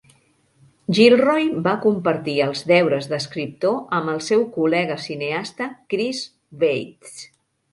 Gilroy va compartir els deures d'escriptor amb el seu col·lega cineasta Chris Weitz.